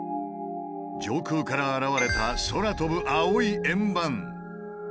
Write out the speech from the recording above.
上空から現れた「空飛ぶ青い円盤」。